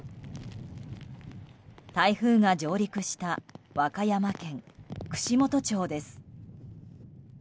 台風が上陸した和歌山県串本町です。